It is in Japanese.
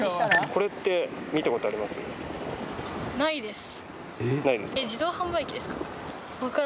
これって見た事あります？